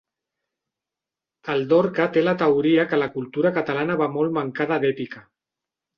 El Dorca té la teoria que la cultura catalana va molt mancada d'èpica.